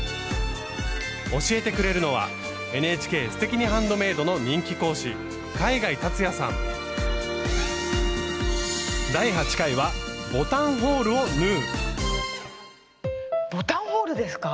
教えてくれるのはＮＨＫ「すてきにハンドメイド」の人気講師ボタンホールですか？